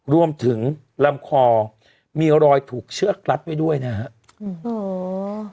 รวมถึงลำคอมีรอยถูกเชือกรัดไว้ด้วยนะฮะโอ้โห